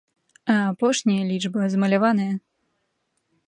А апошняя лічба замаляваная.